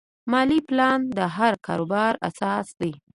مالي پلان د هر کاروبار اساس دی.